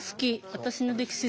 「私の歴史」